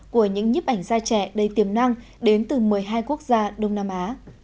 của những nhíp ảnh da trẻ đầy tiềm năng đến từ một mươi hai quốc gia đông nam á